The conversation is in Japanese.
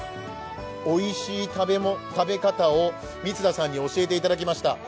おいしい食べ方を光田さんに教えていただきました。